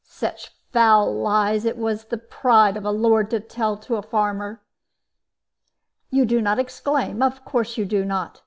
Such foul lies it was the pride of a lord to tell to a farmer. "You do not exclaim of course you do not.